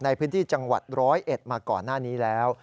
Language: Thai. ในพื้นที่จังหวัด๑๐๑มาก่อนหน้านี้แล้ว